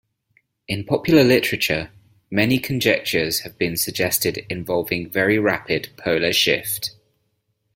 In popular literature, many conjectures have been suggested involving very rapid polar shift.